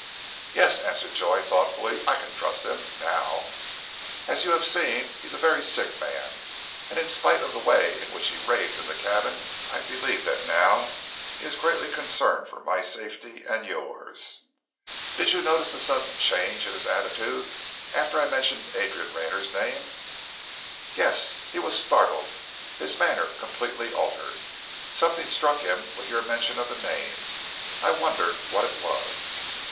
"Yes," answered Joy thoughtfully. "I can trust him now. As you have seen he is a very sick man, and in spite of the way in which he raved in the cabin, I believe that now he is greatly concerned for my safety, and yours. Did you notice the sudden change in his attitude after I had mentioned Adrian Rayner's name?" "Yes, he was startled. His manner completely altered. Something struck him with your mention of the name. I wonder what it was?"